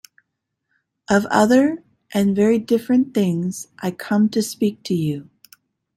Of other and very different things I come to speak to you.